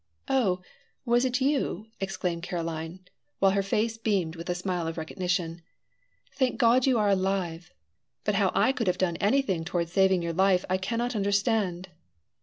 "Oh, was it you?" exclaimed Caroline, while her face beamed with a smile of recognition. "Thank God you are alive! But how I could have done anything toward saving your life I cannot understand."